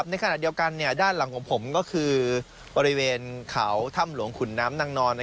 ในขณะเดียวกันด้านหลังของผมก็คือบริเวณเขาถ้ำหลวงขุนน้ำนางนอน